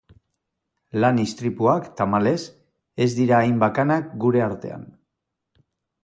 Lan istripuak, tamalez, ez dira hain bakanak gure artean.